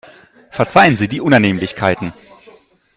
Verzeihen Sie die Unannehmlichkeiten.